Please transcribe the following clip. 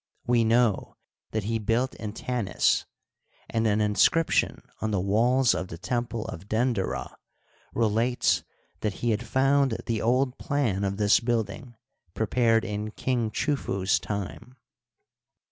We know that he built in Tanis, and an inscription on the walls of the temple of Uenderah relates that he had found the old plan of this building prepared in King Chufu's time.